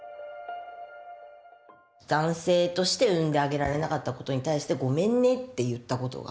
男性として生んであげられなかったことに対して「ごめんね」って言ったことが。